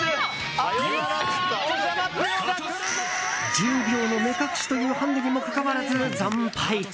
１０秒の目隠しというハンデにもかかわらず惨敗。